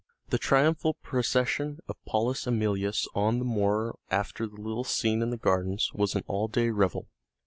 The triumphal procession of Paulus Æmilius on the morrow after the little scene in the gardens was an all day revel.